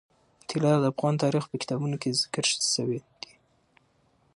طلا د افغان تاریخ په کتابونو کې ذکر شوی دي.